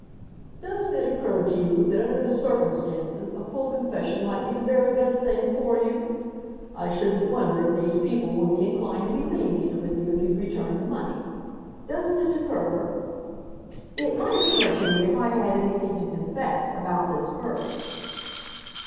"Doesn't it occur to you that under the circumstances a full confession might be the very best thing for you? I shouldn't wonder if these people would be inclined to be lenient with you if you'd return the money. Doesn't it occur " "It might occur to me if I had anything to confess about this purse."